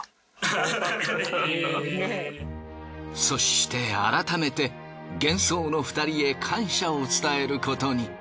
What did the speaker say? そして改めて幻創の２人へ感謝を伝えることに。